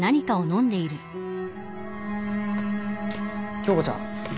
恭子ちゃん。